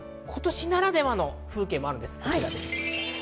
今年ならではの風景もあるんです、こちら。